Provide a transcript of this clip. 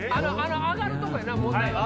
上がるとこやな問題は。